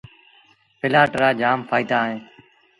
پلآٽ رآ جآم ڦآئيدآ اهيݩ۔